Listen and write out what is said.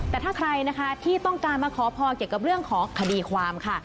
แต่ถ้าใครนะคะที่ต้องการมาขอพรเกี่ยวกับเรื่องของคดีความค่ะ